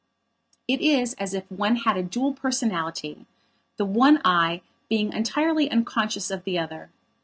It is as if one had a dual personality, the one I being entirely unconscious of the other.